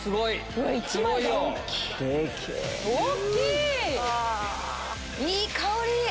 いい香り！